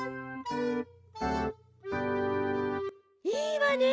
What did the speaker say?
いいわね。